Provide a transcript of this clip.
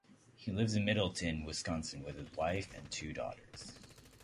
He lives in Middleton, Wisconsin, with his wife and two daughters.